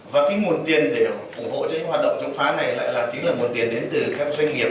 và cái nguồn tiền để ủng hộ cho cái hoạt động chống phá này lại là chính là nguồn tiền đến từ các doanh nghiệp